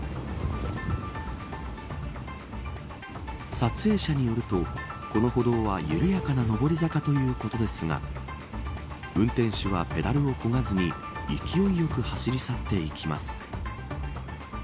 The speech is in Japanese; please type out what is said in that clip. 撮影者によると、この歩道は緩やかな上り坂ということですが運転手はペダルを漕がずに勢いよく走り去っていきます。